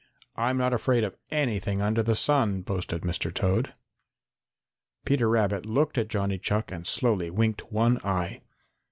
"I'm not afraid of anything under the sun," boasted Mr. Toad. Peter Rabbit looked at Johnny Chuck and slowly winked one eye.